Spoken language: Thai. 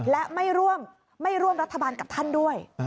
และไม่ร่วมรัฐบาลกับท่านด้วย